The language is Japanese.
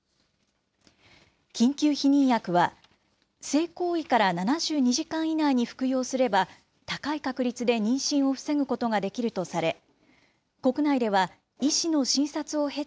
緊急避妊薬は、性行為から７２時間以内に服用すれば、高い確率で妊娠を防ぐことができるとされ、